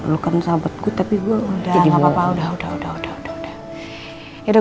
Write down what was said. lu kan sahabatku tapi gue jadi udah udah udah udah udah udah udah udah udah udah udah